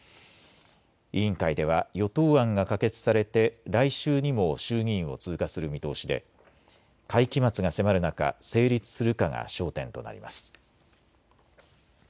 委員会では与党案が可決されて来週にも衆議院を通過する見通しで会期末が迫る中、成立するかが焦点となります。